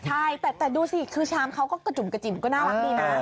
ใช่แต่ดูสิคือชามเขาก็กระจุ่มกระจิ๋มก็น่ารักดีนะ